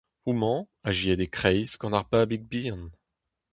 Homañ, azezet e-kreiz, gant ar babig bihan.